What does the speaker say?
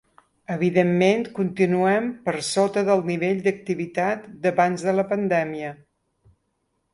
Evidentment, continuem per sota del nivell d’activitat d’abans de la pandèmia.